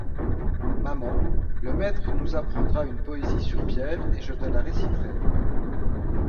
Maman, le maître nous apprendra une poésie sur Pierre et je te la réciterai !